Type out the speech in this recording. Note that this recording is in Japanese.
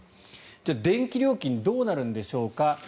じゃあ電気料金どうなるんでしょうか。